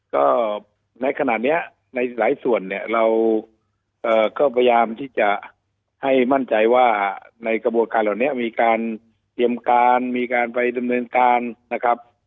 ก็ในขณะนี้ในหลายส่วนเนี่ยเราก็พยายามที่จะให้มั่นใจว่าในกระบวนการเหล่านี้มีการเตรียมการมีการไปดำเนินการนะครับ